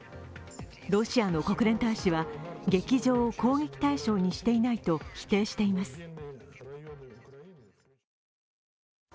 ロシアの国連大使は、劇場を攻撃対象にしていないと否定しています。